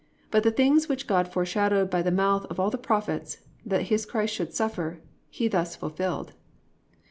But the things which God foreshowed by the mouth of all the prophets, that his Christ should suffer, he thus fulfilled."